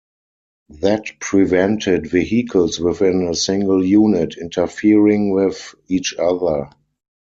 That prevented vehicles within a single unit interfering with each other.